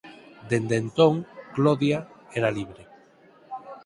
Dende entón Clodia era libre.